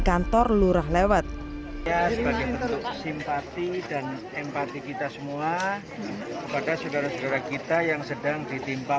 kantor lurah lewat ya sebagai bentuk simpati dan empati kita semua kepada saudara saudara kita yang sedang ditimpa